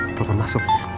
ada telepon masuk